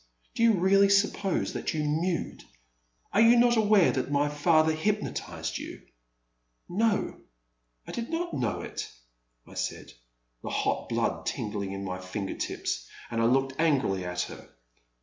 Do you really suppose that you mewed ? Are you not aware that my father hypnotized you ?'No— I did not know it,'* I said. The hot blood tingled in my finger tips, and I looked angrily at her.